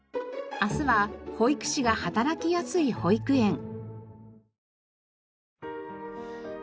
明日は保育士が働きやすい保育園。